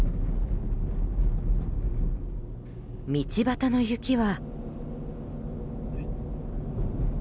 道端の雪は。